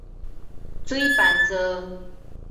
水瓶座